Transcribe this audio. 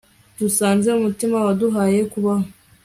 dusanze umutima waduhaye kubaho